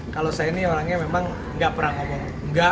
kalau saya ini orangnya memang nggak pernah ngomong